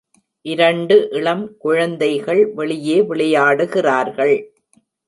இரண்டு இளம் குழந்தைகள் வெளியே விளையாடுகிறார்கள்.